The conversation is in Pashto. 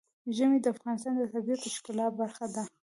ژمی د افغانستان د طبیعت د ښکلا برخه ده.